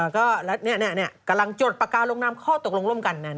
กำลังจดปากกาลงนามข้อตกลงร่มกัน